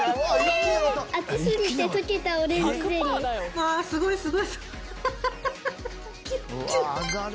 あーすごいすごい。